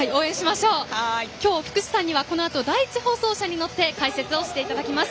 今日、福士さんには第１放送車に乗って解説をしていただきます。